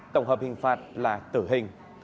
tổng hợp hình phạt là tử hình